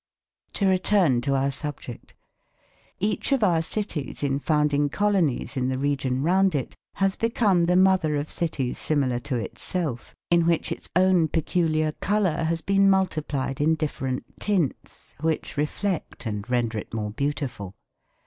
To return to our subject. Each of our cities in founding colonies in the region round it, has become the mother of cities similar to itself, in which its own peculiar colour has been multiplied in different tints which reflect and render it more beautiful.